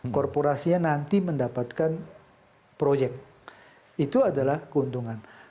korporasinya nanti mendapatkan proyek itu adalah keuntungan